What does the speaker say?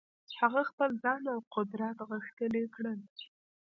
هغه خپل ځان او قدرت غښتلي کړل.